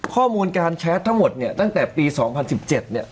ข้อมูลการแชททั้งหมดเนี่ยตั้งแต่ปี๒๐๑๗เนี่ย